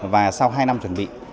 và sau hai năm chuẩn bị